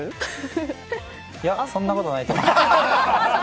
いや、そんなことないと思います。